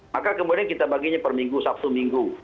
maka kemudian kita baginya perminggu sabtu minggu